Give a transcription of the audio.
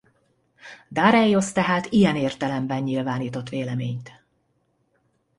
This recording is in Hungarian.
Dareiosz tehát ilyen értelemben nyilvánított véleményt.